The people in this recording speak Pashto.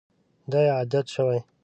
دا یې عادت شوی.